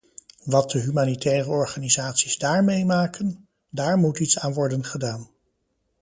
Wat de humanitaire organisaties daar meemaken, daar moet iets aan worden gedaan.